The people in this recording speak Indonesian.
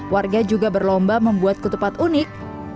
warga juga berlomba membuat ketupat unik